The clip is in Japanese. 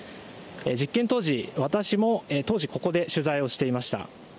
実験当時、私も当時ここで取材をしていました。